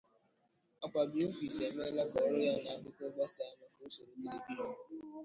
Agwa Bilquis emeela ka ọrụ ya na akụkọ gbasaa maka usoro televishọn.